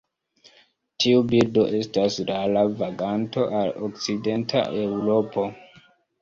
Tiu birdo estas rara vaganto al okcidenta Eŭropo.